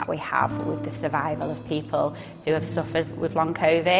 permukaan dari masalah yang kita miliki